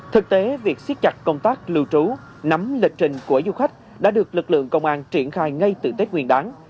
thực tế việc siết chặt công tác lưu trú nắm lịch trình của du khách đã được lực lượng công an triển khai ngay từ tết nguyên đáng